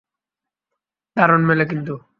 দারুণ মেলে কিন্তু।